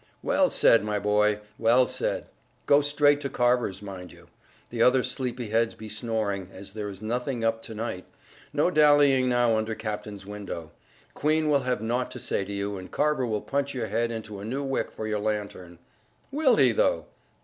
"Well said, my boy, well said! Go straight to Carver's, mind you. The other sleepy heads be snoring, as there is nothing up to night. No dallying now under captain's window: Queen will have naught to say to you, and Carver will punch your head into a new wick for your lantern." "Will he, though?